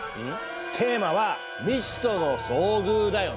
テーマは未知との遭遇だよね？